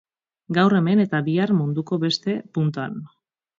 Gaur hemen eta bihar munduko beste puntan.